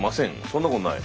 そんなことない？